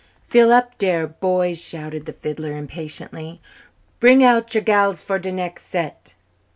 "Fill up dere, boys," shouted the fiddler impatiently. "Bring out your gals for de nex' set."